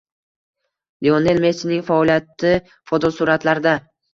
Lionel Messining faoliyati fotosuratlarda